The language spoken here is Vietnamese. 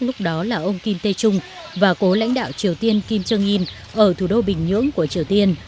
lúc đó là ông kim tê trung và cố lãnh đạo triều tiên kim jong un ở thủ đô bình nhưỡng của triều tiên